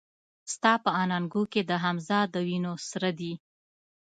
ستا په اننګو کې د حمزه د وينو سره دي